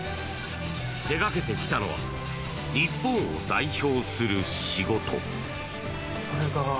手掛けてきたのは日本を代表する仕事。